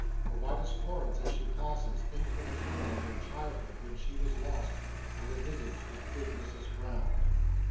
Or why does Florence, as she passes, think, with a tremble, of her childhood, when she was lost, and of the visage of Good Mrs Brown?